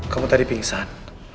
kamu tadi pingsan